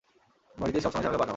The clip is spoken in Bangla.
বাড়িতে সবসময় ঝামেলা পাকাও।